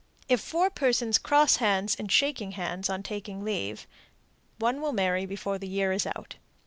If four persons cross hands in shaking hands on taking leave, one will marry before the year is out.